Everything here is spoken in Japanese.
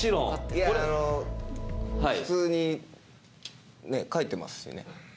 いやあの普通に書いてますしね。